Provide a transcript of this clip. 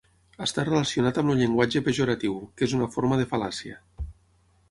Està relacionat amb el llenguatge pejoratiu, que és una forma de fal·làcia.